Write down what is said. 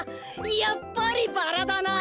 やっぱりバラだな！